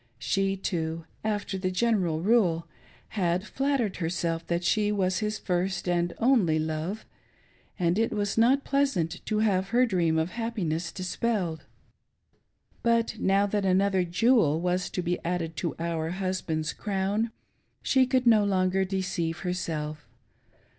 She, too, after the general rule, had flattered herself that she BELINDA S CHILD. . 543 was " his first and only love," and it was not pleasant to have . her dream of happiness dispelled ; but now that another " jewel " was to be added to our husband's crown she could no longer deceive herself.